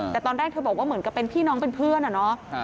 แต่ตอนแรกเธอบอกว่าเหมือนกับเป็นพี่น้องเป็นเพื่อนอะเนาะ